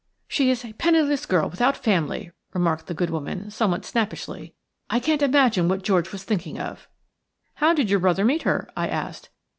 "She is a penniless girl without family," remarked the good woman, somewhat snappishly. "I can't imagine what George was thinking of." "How did your brother meet her?" I asked.